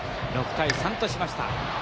６対３としました。